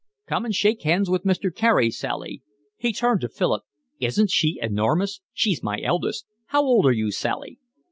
"Come and shake hands with Mr. Carey, Sally." He turned to Philip. "Isn't she enormous? She's my eldest. How old are you, Sally?"